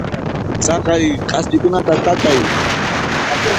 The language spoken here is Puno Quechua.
Chaqay k'aspikunata takay.